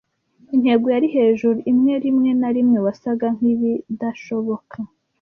intego yari hejuru, imwe rimwe na rimwe wasaga nkibidashoboka.